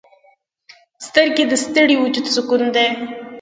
سترګې د ستړي وجود سکون دي